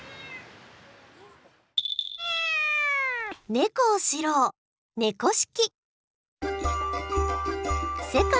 猫を知ろう「猫識」。